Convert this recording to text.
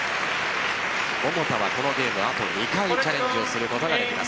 桃田は、このゲームあと２回チャレンジをすることができます。